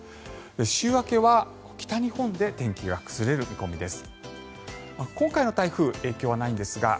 週明けは北日本で天気が崩れる見込みです。